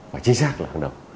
phải chính xác là hàng đầu